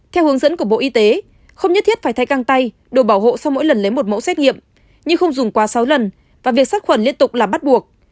theo hướng dẫn của bộ y tế không nhất thiết phải thay căng tay đồ bảo hộ sau mỗi lần lấy một mẫu xét nghiệm nhưng không dùng quá sáu lần và việc sát khuẩn liên tục là bắt buộc